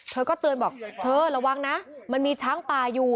เธอก็เตือนบอกเธอระวังนะมันมีช้างป่าอยู่